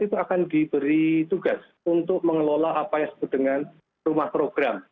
itu akan diberi tugas untuk mengelola apa yang disebut dengan rumah program